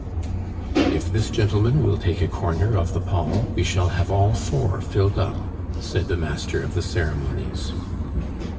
"If this gentleman will take a corner of the pall, we shall have all four filled up," said the master of the ceremonies.